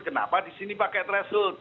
kenapa di sini pakai threshold